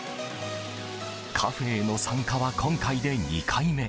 カフェへの参加は今回で２回目。